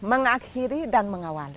mengakhiri dan mengawal